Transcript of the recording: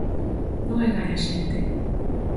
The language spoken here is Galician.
Non engane a xente.